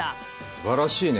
すばらしいね。